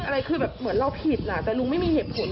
เหมือนเราผิดแต่ลุงไม่มีเหตุผล